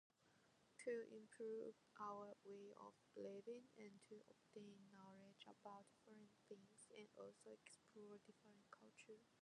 To improve our way of living, and to obtain knowledge about current things, and also explore different culture.